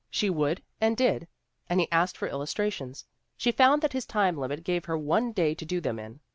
She would, and did, and he asked for illustrations. She found that his time limit gave her one day to do them in.